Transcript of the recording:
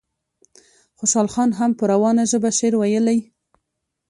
خوشحال خان هم په روانه ژبه شعر ویلی.